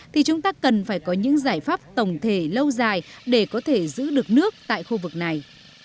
thì chúng ta cần phải có những giải pháp tổng thể lâu dài để có thể giữ được nước tại khu vực này